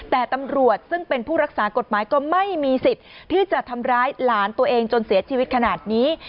แต่ตำรวจซึ่งเป็นผู้รักษากฎหมายก็ไม่มีสิทธิ์ที่จะทำร้ายหลานตัวเองจนเสียชีวิตขนาดนี้